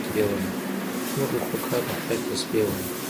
ټول مخلوقات د خدای تسبیح وایي.